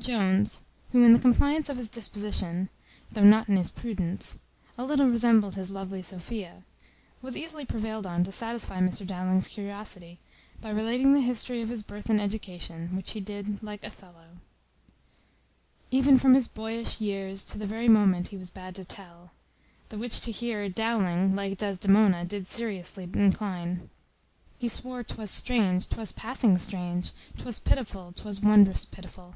Jones, who in the compliance of his disposition (though not in his prudence) a little resembled his lovely Sophia, was easily prevailed on to satisfy Mr Dowling's curiosity, by relating the history of his birth and education, which he did, like Othello. Even from his boyish years, To th' very moment he was bad to tell: the which to hear, Dowling, like Desdemona, did seriously incline; He swore 'twas strange, 'twas passing strange; 'Twas pitiful, 'twas wonderous pitiful.